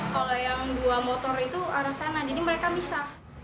kalau yang dua motor itu arah sana jadi mereka bisa